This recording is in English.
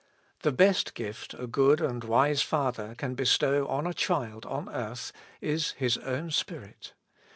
The best gift a good and wise father can bestow on a child on earth is his own spirit.